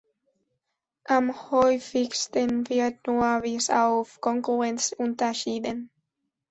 Am Häufigsten wird nur bis auf Kongruenz unterschieden.